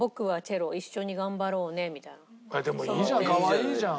でもいいじゃんかわいいじゃん。